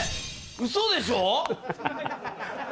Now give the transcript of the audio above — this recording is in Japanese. うそでしょ？